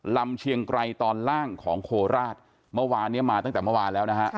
เชียงไกรตอนล่างของโคราชเมื่อวานเนี้ยมาตั้งแต่เมื่อวานแล้วนะฮะ